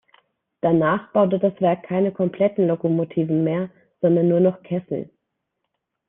Danach baute das Werk keine kompletten Lokomotiven mehr, sondern nur noch Kessel.